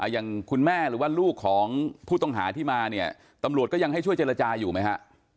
อย่างคุณแม่หรือว่าลูกของผู้ต้องหาที่มาเนี่ยตำรวจก็ยังให้ช่วยเจรจาอยู่ไหมฮะ